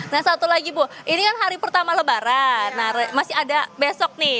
nah satu lagi bu ini kan hari pertama lebaran masih ada besok nih